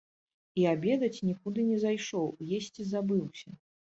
І абедаць нікуды не зайшоў, есці забыўся.